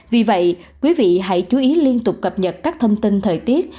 vì vậy quý vị hãy chú ý liên tục cập nhật các thông tin thời tiết